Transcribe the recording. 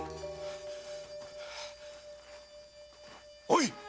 おい！